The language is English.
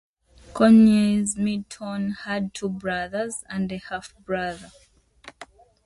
Conyers Middleton had two brothers and a half-brother.